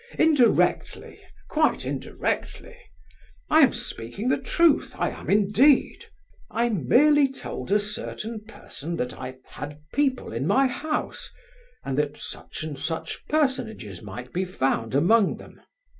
"Indirectly, quite indirectly! I am speaking the truth—I am indeed! I merely told a certain person that I had people in my house, and that such and such personages might be found among them."